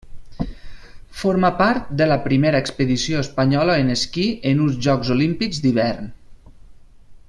Formà part de la primera expedició espanyola en esquí en uns Jocs Olímpics d'Hivern.